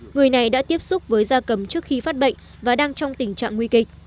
người này đã tiếp xúc với da cầm trước khi phát bệnh và đang trong tình trạng nguy kịch